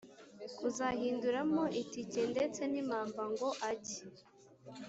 kuzahinduramo itike ndetse nimpamba ngo ajye